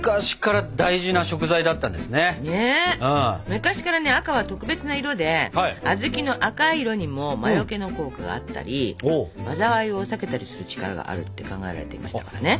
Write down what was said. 昔からね「赤」は特別な色で小豆の赤い色にも魔よけの効果があったり災いを避けたりする力があるって考えられていましたからね。